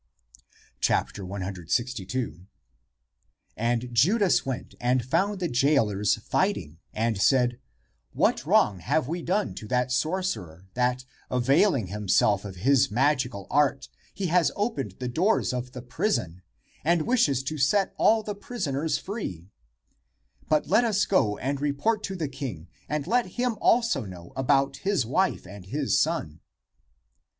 162. /\nd Judas went and found the jailers fighting, and saying, " ^^^•lat wrong have we done ACTS OF THOMAS 357 to that sorcerer, that, avaihng himself of his mag ical art, he has opened the doors of the prison, and wishes to set all the prisoners free? But let us go and report to the king, and let him also know about his wife and his son."